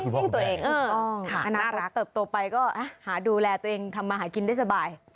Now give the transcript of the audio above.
ก็ตอบตัวไปหาดูแลตัวเองทำมาหากินได้สบาย